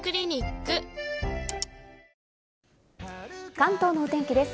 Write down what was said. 関東のお天気です。